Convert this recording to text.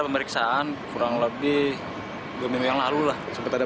pemeriksaan kurang lebih dua minggu yang lalu lah